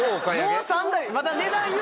もう３台。